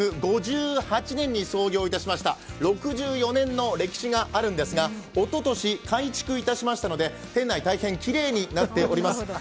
１９５８年に創業いたしました６４年の歴史があるんですがおととし改築いたしましたので店内、大変きれいになっています。